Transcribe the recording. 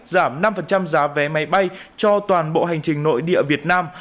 giảm năm giá vé máy bay cho toàn bộ hành trình nội địa việt nam